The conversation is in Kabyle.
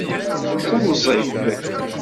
Ssemẓi-t.